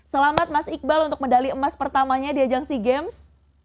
selamat mas iqbal untuk medali emas pertamanya di ajang sea games